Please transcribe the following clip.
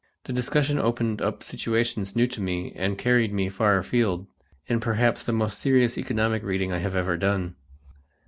The discussion opened up situations new to me and carried me far afield in perhaps the most serious economic reading I have ever done.